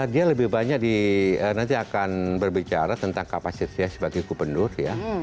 dia lebih banyak di nanti akan berbicara tentang kapasitasnya sebagai gubernur ya